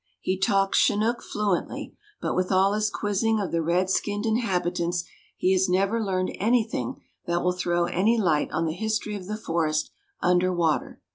He talks Chinook fluently, but with all his quizzing of the red skinned inhabitants he has never learned anything that will throw any light on the history of the forest under water.